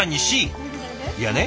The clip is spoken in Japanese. いやね